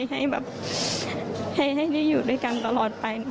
ให้อยู่ด้วยกันตลอดไป